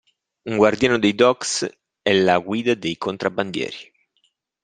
Un guardiano dei docks è la guida dei contrabbandieri.